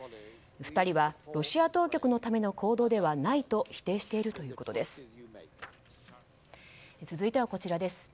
２人は、ロシア当局のための行動ではないと否定しているということです。